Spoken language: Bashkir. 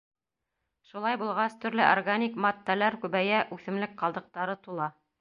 Шулай булғас, төрлө органик матдәләр күбәйә, үҫемлек ҡалдыҡтары тула.